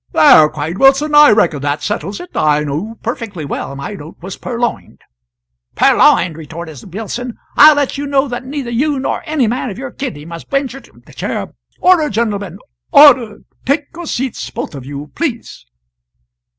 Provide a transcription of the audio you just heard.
"There!" cried Wilson, "I reckon that settles it! I knew perfectly well my note was purloined." "Purloined!" retorted Billson. "I'll let you know that neither you nor any man of your kidney must venture to " The Chair: "Order, gentlemen, order! Take your seats, both of you, please."